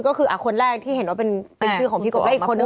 ก็คือคนแรกที่เห็นว่าเป็นชื่อของพี่กบและอีกคนนึง